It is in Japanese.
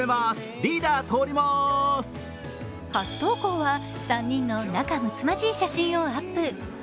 初投稿は、３人の仲むつまじい写真をアップ。